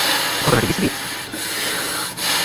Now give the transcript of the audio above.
ঘটনাটি বিসিবি এবং পুলিশ, দুই পক্ষ থেকেই তদন্ত করে দেখা হবে।